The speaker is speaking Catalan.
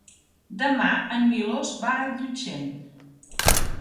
Demà en Milos va a Llutxent.